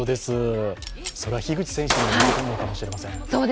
それは樋口選手にも言えることかもしれません。